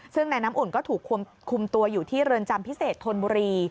ซึ่งนายน้ำอุ่นก็ถูกคุมตัวอยู่ที่เรือนจำพิเศษธนบุรี